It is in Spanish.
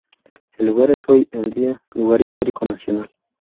El lugar es hoy en día un Lugar Histórico Nacional.